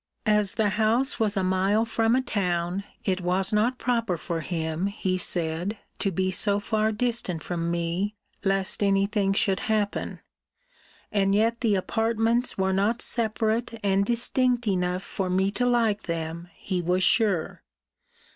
As the house was a mile from a town, it was not proper for him, he said, to be so far distant from me, lest any thing should happen: and yet the apartments were not separate and distinct enough for me to like them, he was sure.